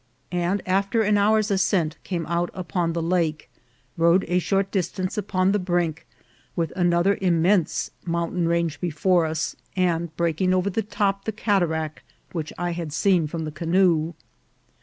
and after an hour's ascent came out upon the lake, rode a short distance upon the brink, with another im mense mountain range before us, and breaking over the top the cataract which I had seen from the canoe.